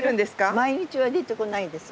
毎日は出てこないです。